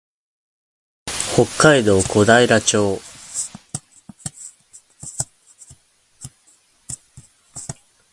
北海道古平町